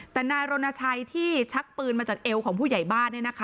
แต่นายรณชัยที่ชักปืนมาจากเอวของผู้ใหญ่บ้าน